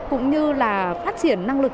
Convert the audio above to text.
cũng như là phát triển năng lực